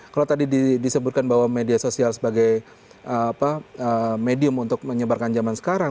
kalau tadi disebutkan bahwa media sosial sebagai medium untuk menyebarkan zaman sekarang